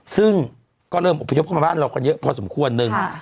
ซึ่งก็เริ่มอบพยพเข้ามาบ้านเรากันเยอะพอสมควรนึง